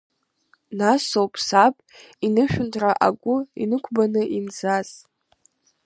Нас ауп саб инышәынҭра агәы инықәбаны ианцаз.